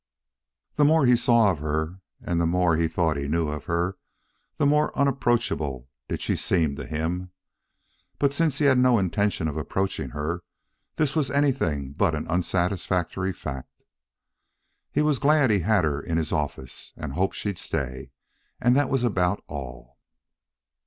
The more he saw of her, and the more he thought he knew of her, the more unapproachable did she seem to him. But since he had no intention of approaching her, this was anything but an unsatisfactory fact. He was glad he had her in his office, and hoped she'd stay, and that was about all.